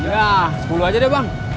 ya sepuluh aja deh bang